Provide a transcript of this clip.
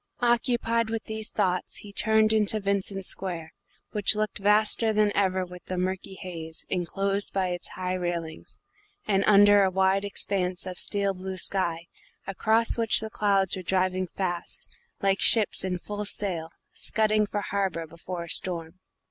Occupied with these thoughts, he turned into Vincent Square, which looked vaster than ever with the murky haze, enclosed by its high railings, and under a wide expanse of steel blue sky, across which the clouds were driving fast like ships in full sail scudding for harbour before a storm.